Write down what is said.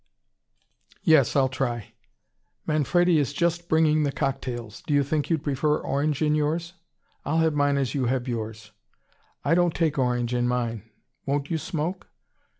"Yes, I'll try." "Manfredi is just bringing the cocktails. Do you think you'd prefer orange in yours?" "Ill have mine as you have yours." "I don't take orange in mine. Won't you smoke?"